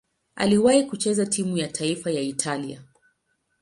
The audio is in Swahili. Aliwahi kucheza timu ya taifa ya Italia.